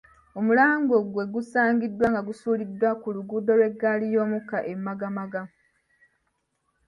Omulambo gwe gusaangiddwa nga gusuuliddwa ku luguudo lw'eggali y'omukka e Magamaga